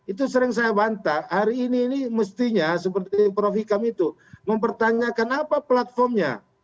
itu sering saya bantah hari ini ini mestinya seperti prof hikam itu mempertanyakan apa platformnya